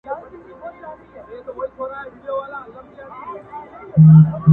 خدای بېشکه مهربان او نګهبان دی.!